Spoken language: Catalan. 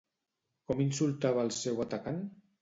Com insultava al seu atacant?